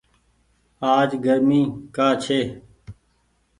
آج گرمي ڪآ ڇي ۔